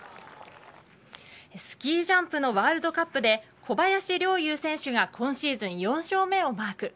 スキージャンプのワールドカップで小林陵侑選手が今シーズン４勝目をマーク。